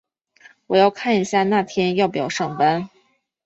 我要看一下那天要不要上班。